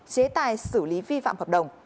chế tài xử lý vi phạm hợp đồng